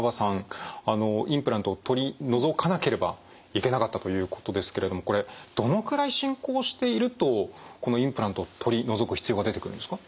あのインプラントを取り除かなければいけなかったということですけれどもこれどのくらい進行しているとこのインプラント取り除く必要が出てくるんですか？